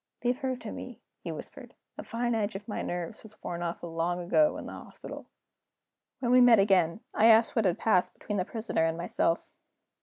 "Leave her to me," he whispered. "The fine edge of my nerves was worn off long ago in the hospital." When we met again, I asked what had passed between the Prisoner and himself.